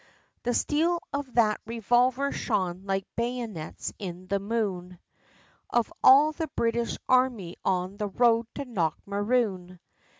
The steel of that revolver shone, like bayonets in the moon, Of all the British army on the road to Knockmaroon!